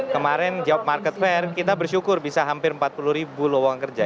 kemarin job market fair kita bersyukur bisa hampir empat puluh ribu lowongan kerja